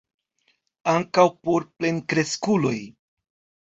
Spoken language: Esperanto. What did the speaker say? Ankaŭ por plenkreskuloj!